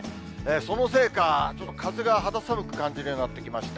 そのせいか、ちょっと風が肌寒く感じるようになってきました。